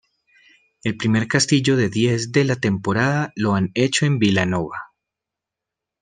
El primer castillo de diez de la temporada lo han hecho en Vilanova.